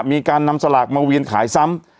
มีการนำสลากมาเวียนขายซ้ำ